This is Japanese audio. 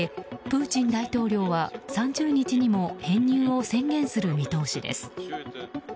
プーチン大統領は３０日にも編入を宣言する見通しです。